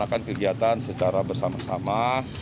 dan kita akan laksanakan secara bersama sama